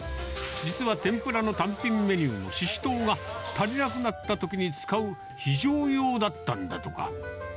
実は天ぷらの単品メニューのシシトウが足りなくなったときに使う非常用だったんだとか。